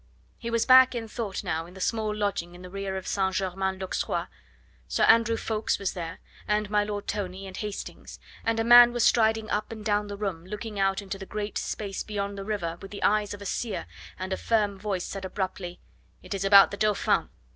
He was back in thought now in the small lodging in the rear of St. Germain l'Auxerrois; Sir Andrew Ffoulkes was there, and my Lord Tony and Hastings, and a man was striding up and down the room, looking out into the great space beyond the river with the eyes of a seer, and a firm voice said abruptly: "It is about the Dauphin!"